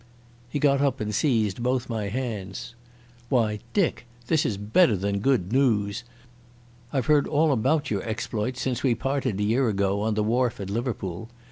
He got up and seized both my hands. "Why, Dick, this is better than good noos. I've heard all about your exploits since we parted a year ago on the wharf at Liverpool.